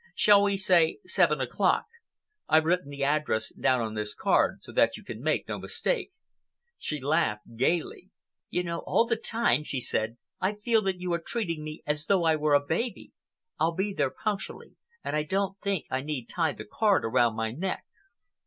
Shall we say seven o'clock? I've written the address down on this card so that you can make no mistake." She laughed gayly. "You know, all the time," she said, "I feel that you are treating me as though I were a baby. I'll be there punctually, and I don't think I need tie the card around my neck."